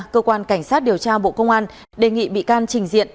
cơ quan cảnh sát điều tra bộ công an đề nghị bị can trình diện